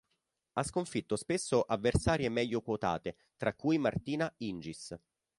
Ha sconfitto spesso avversarie meglio quotate, tra cui Martina Hingis.